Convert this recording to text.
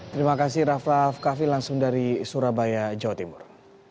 terima kasih raff raff kaffi langsung dari surabaya jawa timur